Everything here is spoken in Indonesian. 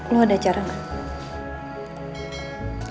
lu ada acara gak